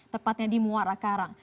tepatnya di muara karang